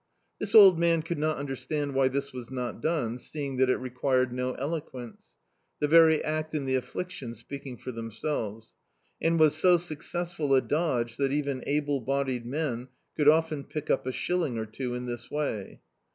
This old man could not understand why this was not done, seeing that it required no eloquence — the very act and the affliction speaking for them selves — and was so successful a dodge that even able bodied men could often pick up a shilling or two in this way.